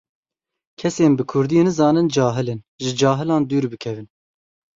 Kesên bi kurdî nizanin cahil in, ji cahilan dûr bikevin.